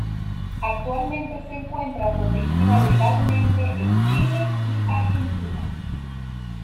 Actualmente se encuentra protegida legalmente en Chile y Argentina.